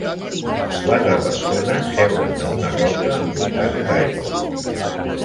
Quatre persones seuen a una roca envoltats d'aigua.